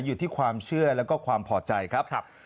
อยู่ที่ความเชื่อแล้วก็ความพอใจครับ